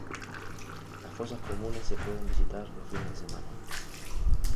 Las fosas comunes se pueden visitar los fines de semana.